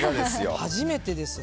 初めてですよ。